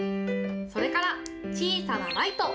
それから、小さなライト。